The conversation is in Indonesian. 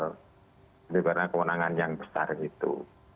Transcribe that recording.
lebih karena kewenangan yang besar itu